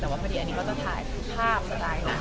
แต่พอดีอันนี้ก็จะถ่ายภาพสไตล์หนัง